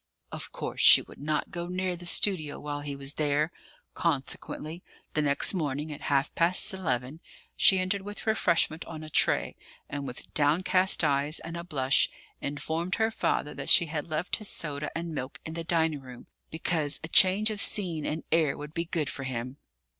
Of course, she would not go near the studio while he was there. Consequently, the next morning, at half past eleven, she entered with refreshment on a tray; and, with downcast eyes and a blush, informed her father that she had left his soda and milk in the dining room because a change of scene and air would be good for him.